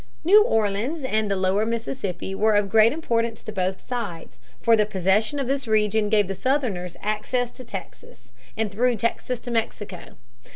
New Orleans and the lower Mississippi were of great importance to both sides, for the possession of this region gave the Southerners access to Texas, and through Texas to Mexico.